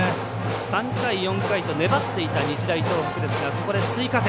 ３回、４回と粘っていた日大東北ですがここで追加点。